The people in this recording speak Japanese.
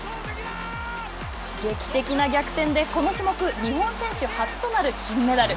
劇的な逆転でこの種目、日本選手初となる金メダル。